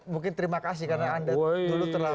mungkin terima kasih karena anda dulu terlalu